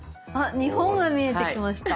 日本が見えてきました。